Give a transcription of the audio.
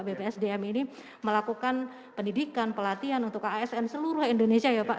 bpsdm ini melakukan pendidikan pelatihan untuk asn seluruh indonesia ya pak